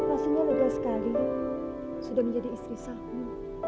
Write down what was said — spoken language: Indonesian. pasalnya lega sekali sudah menjadi istri saham